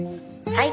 「はい。